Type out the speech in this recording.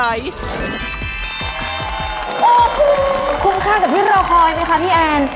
โอ้โหคุ้มค่ากับที่รอคอยไหมคะพี่แอน